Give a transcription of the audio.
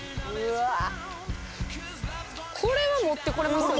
これは持ってこれますよね。